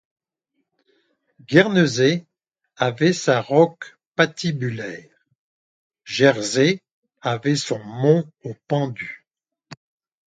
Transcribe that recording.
Guernesey avait sa Roque-Patibulaire ; Jersey avait son Mont-aux-Pendus.